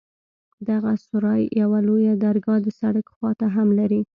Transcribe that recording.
دغه سراى يوه لويه درګاه د سړک خوا ته هم لري.